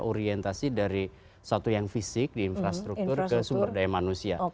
orientasi dari satu yang fisik di infrastruktur ke sumber daya manusia